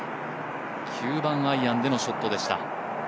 ９番アイアンでのショットでした。